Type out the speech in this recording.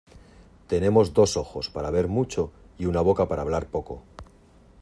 Tenemos dos ojos para ver mucho y una boca para hablar poco.